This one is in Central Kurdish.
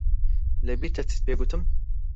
لەبیرتە چیت پێ گوتم؟